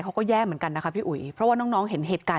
เขาก็แย่เหมือนกันนะคะพี่อุ๋ยเพราะว่าน้องเห็นเหตุการณ์